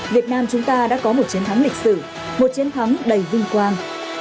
việt nam chúng ta đã có một chiến thắng lịch sử một chiến thắng đầy vinh quang